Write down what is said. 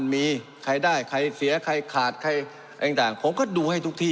มีใครได้ใครเสียใครขาดใครต่างผมก็ดูให้ทุกที่